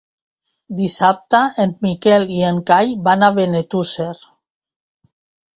Dissabte en Miquel i en Cai van a Benetússer.